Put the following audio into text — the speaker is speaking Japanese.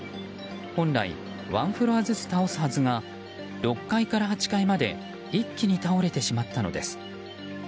本来、ワンフロアずつ倒すはずが６階から８階まで一気に倒れてしまったのです。